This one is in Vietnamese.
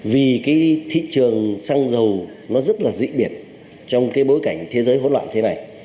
vì cái thị trường xăng dầu nó rất là dĩ biệt trong cái bối cảnh thế giới hỗn loạn thế này